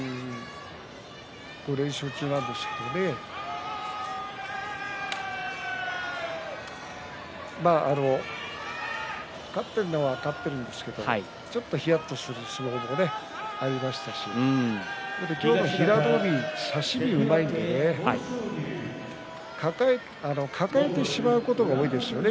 ５連勝中なんですけどまあ勝っているのは勝っているんですけどちょっとひやっとする相撲もありますし今日の平戸海差し身がうまいので抱えてしまうことが多いですよね